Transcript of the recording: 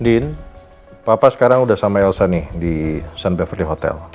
din papa sekarang udah sama elsa nih di san beverly hotel